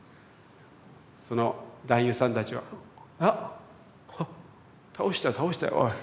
その男優さんたちは「あっ倒した倒したよおい。